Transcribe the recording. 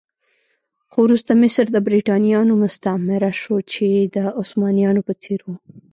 خو وروسته مصر د برېټانویانو مستعمره شو چې د عثمانيانو په څېر و.